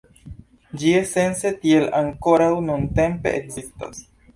Ĝi esence tiel ankoraŭ nuntempe ekzistas.